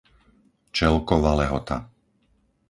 Čelkova Lehota